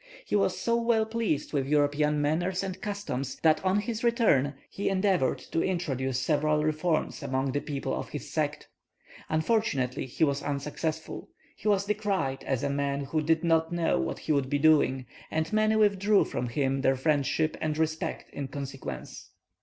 He was so well pleased with European manners and customs, that on his return he endeavoured to introduce several reforms among the people of his sect. Unfortunately, he was unsuccessful. He was decried as a man who did not know what he would be doing, and many withdrew from him their friendship and respect in consequence.